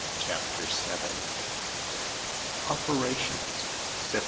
CHAPTER VII OPERATIONS: SEPT.